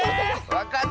わかった！